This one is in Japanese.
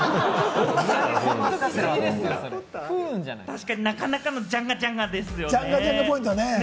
確かになかなかのジャンガジャンガですね。